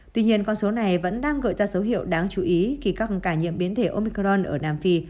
tuy nhiên con số này vẫn đang gợi ra dấu hiệu đáng chú ý khi các ca nhiễm biến thể omicron ở nam phi